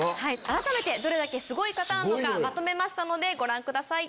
改めてどれだけすごい方なのかまとめましたのでご覧ください。